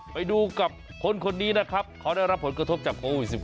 ไปดูกับคนดีเขาได้รับผลกระทบจากโควิด๑๙